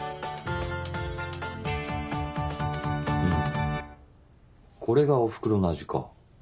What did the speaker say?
うんこれがおふくろの味か。